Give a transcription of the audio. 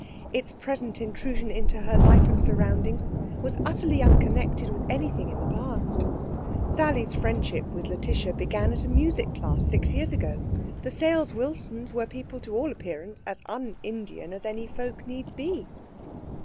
Its present intrusion into her life and surroundings was utterly unconnected with anything in the past. Sally's friendship with Lætitia began in a music class six years ago. The Sales Wilsons were people to all appearance as un Indian as any folk need be.